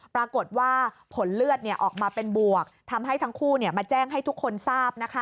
ปรากฏว่าผลเลือดออกมาเป็นบวกทำให้ทั้งคู่มาแจ้งให้ทุกคนทราบ